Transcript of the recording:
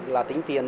là tính tiền